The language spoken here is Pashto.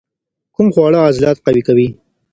کوم خواړه عضلات قوي کوي؟